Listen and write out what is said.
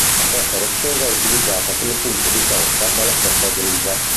La costa rocciosa è utilizzata come punto di sosta dalla foca grigia.